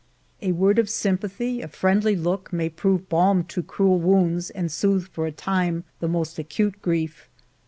A word of sympathy, a friendly look, may prove a balm to cruel wounds and soothe for a time the most acute grief.